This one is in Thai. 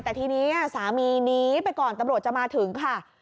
แต่ทีนี้สามีหนีไปก่อนตำรวจจะมาถึงค่ะ